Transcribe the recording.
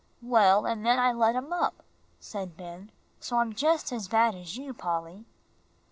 "Well, and then I let him up," said Ben, "so I'm just as bad as you, Polly."